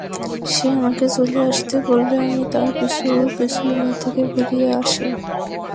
সে আমাকে চলে আসতে বললে আমি তার পিছু পিছু গুহা থেকে বেরিয়ে আসি।